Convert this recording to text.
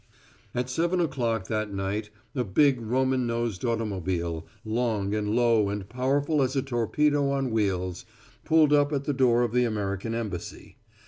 At seven o'clock that night a big Roman nosed automobile, long and low and powerful as a torpedo on wheels, pulled up at the door of the American embassy.